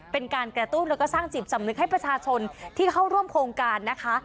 เป็นการกระตุ้นแล้วก็สร้างจิตสำนึกให้ประชาชนที่เข้าร่วมโครงการนะคะ